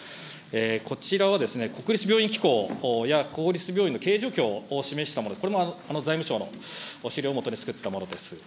こちらはですね、国立病院機構や国立病院の経営状況を示したもの、これも財務省の資料を基に作ったものです。